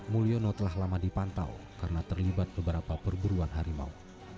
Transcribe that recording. mulyono telah lama dipantau karena terlibat beberapa perburuan harimau